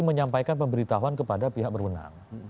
menyampaikan pemberitahuan kepada pihak berwenang